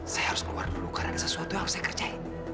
saya harus keluar dulu karena ada sesuatu yang harus saya kerjain